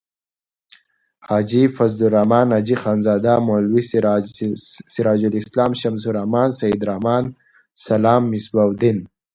حاجی فضل الرحمن. حاجی خانزاده. مولوی سراج السلام. شمس الرحمن. سعیدالرحمن.سلام.مصباح الدین